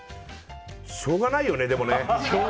しょうがないよね、でもね。